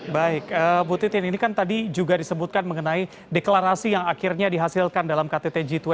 baik bu titin ini kan tadi juga disebutkan mengenai deklarasi yang akhirnya dihasilkan dalam ktt g dua puluh